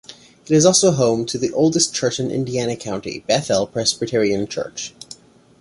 It is also home to the oldest church in Indiana County, Bethel Presbyterian Church.